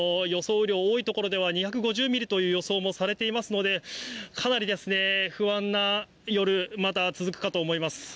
雨量、多い所では２５０ミリという予想もされていますので、かなり不安な夜、まだ続くかと思います。